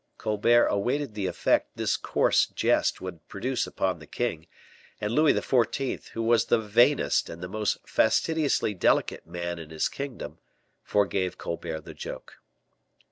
Colbert awaited the effect this coarse jest would produce upon the king; and Louis XIV., who was the vainest and the most fastidiously delicate man in his kingdom, forgave Colbert the joke.